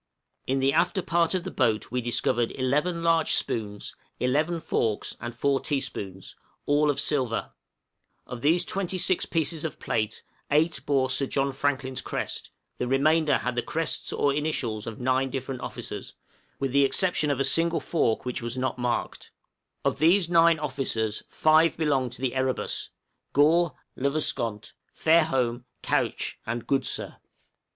In the after part of the boat we discovered eleven large spoons, eleven forks, and four teaspoons, all of silver; of these twenty six pieces of plate, eight bore Sir John Franklin's crest, the remainder had the crests or initials of nine different officers, with the exception of a single fork which was not marked; of these nine officers, five belonged to the 'Erebus,' Gore, Le Vesconte, Fairholme, Couch, and Goodsir.